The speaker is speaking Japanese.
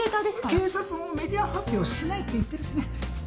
警察もメディア発表しないって言ってるしね。